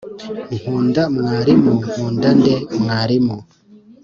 nkunda mwarimu nkunda nde’ mwarimu